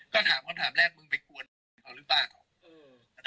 ก็ถามคำถามแรกมึงไปกวนแฟนเขาหรือเปล่า